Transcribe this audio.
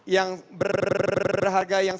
yang berharga yang